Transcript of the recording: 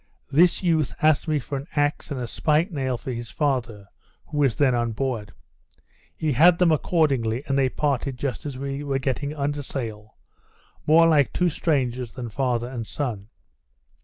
This youth asked me for an axe and a spike nail for his father, who was then on board. He had them accordingly, and they parted just as we were getting under sail, more like two strangers than father and son.